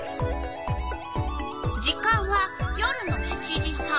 時間は夜の７時半。